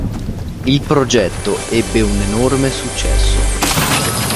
Il progetto ebbe un enorme successo.